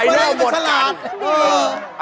เดี๋ยวหมดอันอย่างบอกสาร